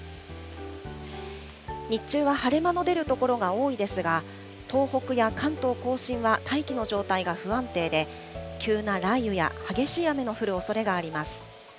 日中は晴れ間の出る所が多いですが、東北や関東甲信は、大気の状態が不安定で、急な雷雨や激しい雨の降るおそれがあります。